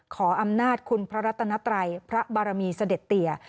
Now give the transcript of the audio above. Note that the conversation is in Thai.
ขออำนาจคุณพระรัตนัตรัยพระบารมีเสด็จเตีย